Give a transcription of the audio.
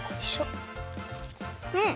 うん！